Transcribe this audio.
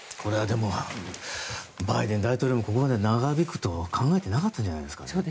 バイデン大統領もここまで長引くとは考えてなかったんじゃないですかね。